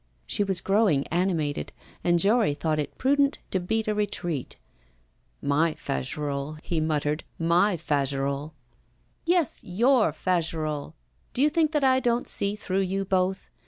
She was growing animated, and Jory thought it prudent to beat a retreat. 'My Fagerolles,' he muttered; 'my Fagerolles.' 'Yes, your Fagerolles. Do you think that I don't see through you both?